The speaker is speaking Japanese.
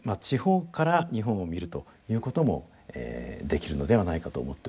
地方から日本を見るということもできるのではないかと思っております。